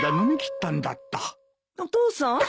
・お父さん？